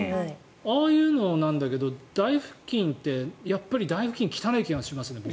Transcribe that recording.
ああいうのなんだけど台布巾ってやっぱり台布巾汚い気がしますね。